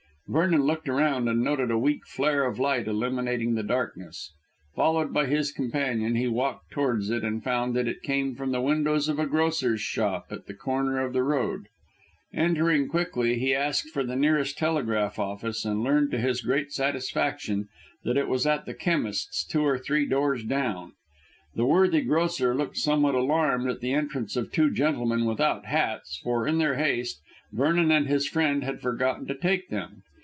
Vernon looked around and noted a weak flare of light illuminating the darkness. Followed by his companion, he walked towards it and found that it came from the windows of a grocer's shop at the corner of the road. Entering quickly, he asked for the nearest telegraph office, and learned to his great satisfaction that it was at the chemist's two or three doors down. The worthy grocer looked somewhat alarmed at the entrance of two gentlemen without hats, for, in their haste, Vernon and his friend had forgotten to take them.